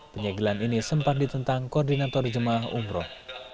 penyegilan ini sempat ditentang koordinator jemaah umroh